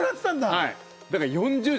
はい。